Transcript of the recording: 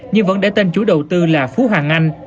nhưng vẫn để tên chú đầu tư là phú hoàng anh